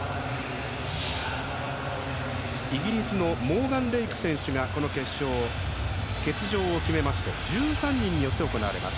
イギリスのモーガン・レイク選手がこの決勝、欠場を決めまして１３人によって行われます。